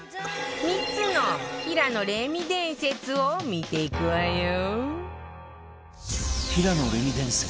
３つの平野レミ伝説を見ていくわよ